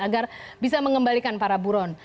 agar bisa mengembalikan para buron